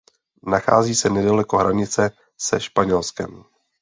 Nachází se nedaleko hranice se Španělskem.